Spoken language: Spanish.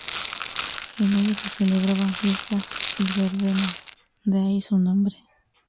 En ella se celebraban fiestas y verbenas, de ahí su nombre.